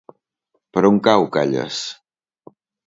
Per on cau Calles?